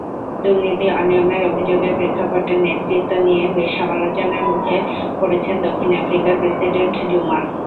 দুর্নীতি-অনিয়মের অভিযোগের প্রেক্ষাপটে নেতৃত্ব নিয়ে বেশ সমালোচনার মুখে পড়েছেন দক্ষিণ আফ্রিকার প্রেসিডেন্ট জুমা।